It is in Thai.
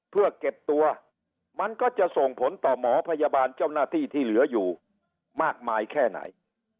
เพื่อเก็บตัวมันก็จะส่งผลต่อหมอพยาบาลเจ้าหน้าที่ที่เหลืออยู่มากมายแค่ไหน